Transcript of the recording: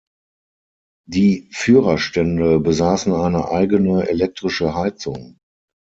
Die Führerstände besaßen eine eigene elektrische Heizung.